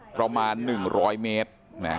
ประมาณหนึ่งร้อยเมตร